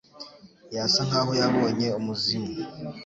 Yasa nkaho yabonye umuzimu.